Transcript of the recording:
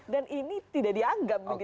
dan ini tidak dianggap begitu